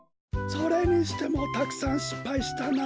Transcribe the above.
それにしてもたくさんしっぱいしたなあ。